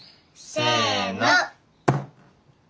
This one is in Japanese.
せの。